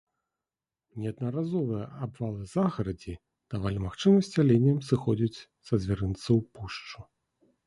Неаднаразовыя абвалы загарадзі давалі магчымасць аленям сыходзіць са звярынца ў пушчу.